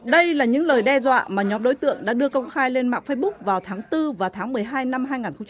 đây là những lời đe dọa mà nhóm đối tượng đã đưa công khai lên mạng facebook vào tháng bốn và tháng một mươi hai năm hai nghìn hai mươi ba